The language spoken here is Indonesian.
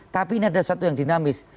tapi ini ada satu yang dinamis